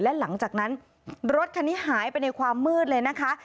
และหลังจากนั้นรถคันนี้หายไปในความมืดเลยนะคะ